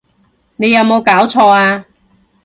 你有無攪錯呀！